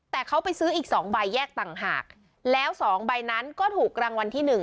แต่เขาไปซื้ออีก๒ใบแยกต่างหากแล้วสองใบนั้นก็ถูกรางวัลที่หนึ่ง